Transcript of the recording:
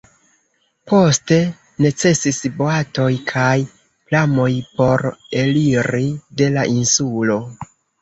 Poste necesis boatoj kaj pramoj por eliri de la insulo.